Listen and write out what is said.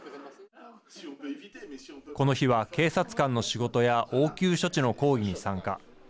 この日は警察官の仕事や応急処置の講義に参加。